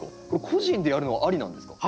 個人でやるのはありなんですか？